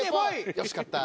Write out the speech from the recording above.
よし勝った。